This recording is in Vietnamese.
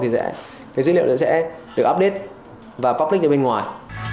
thì dữ liệu sẽ được update và public cho bên ngoài